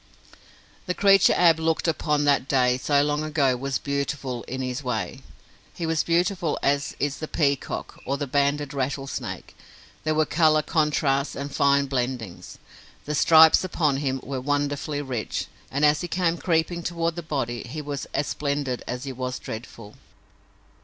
The creature Ab looked upon that day so long ago was beautiful, in his way. He was beautiful as is the peacock or the banded rattlesnake. There were color contrasts and fine blendings. The stripes upon him were wonderfully rich, and as he came creeping toward the body, he was as splendid as he was dreadful.